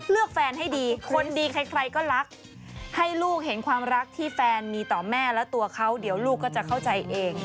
แฟนให้ดีคนดีใครก็รักให้ลูกเห็นความรักที่แฟนมีต่อแม่และตัวเขาเดี๋ยวลูกก็จะเข้าใจเอง